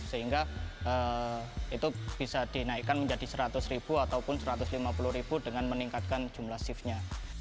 sehingga itu bisa dinaikkan menjadi seratus ribu ataupun satu ratus lima puluh ribu dengan meningkatkan jumlah shiftnya